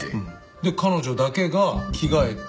で彼女だけが着替えて。